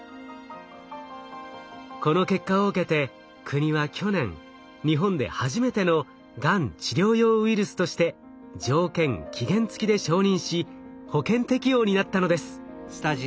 この結果を受けて国は去年日本で初めてのがん治療用ウイルスとして条件・期限付きで承認し保険適用になったのです。